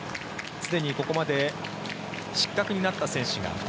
すでにここまで失格になった選手が２人。